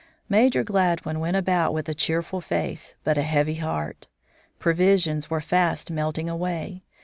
Major Gladwin went about with a cheerful face, but a heavy heart. Provisions were fast melting away.